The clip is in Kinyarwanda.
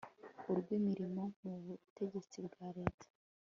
urw imirimo mu butegetsi bwa leta